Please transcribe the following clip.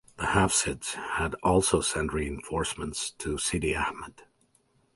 The Hafsids had also sent reinforcements to Sidi Ahmed.